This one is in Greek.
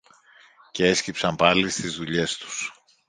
και έσκυψαν πάλι στις δουλειές τους